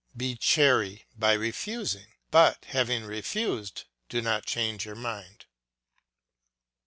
Be chary of refusing, but, having refused, do not change your mind.